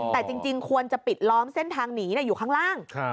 แต่จริงควรจะปิดล้อมเส้นทางหนีอยู่ข้างล่าง